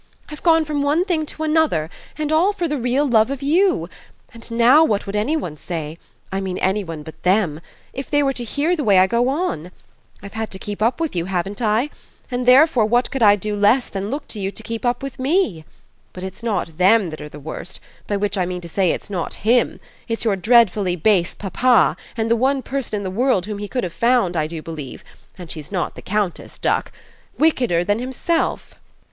"I've gone from one thing to another, and all for the real love of you; and now what would any one say I mean any one but THEM if they were to hear the way I go on? I've had to keep up with you, haven't I? and therefore what could I do less than look to you to keep up with ME? But it's not THEM that are the worst by which I mean to say it's not HIM: it's your dreadfully base papa and the one person in the world whom he could have found, I do believe and she's not the Countess, duck wickeder than himself.